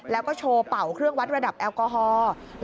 แล้วก็โชว์เป่าเครื่องวัดระดับแอลกอฮอล์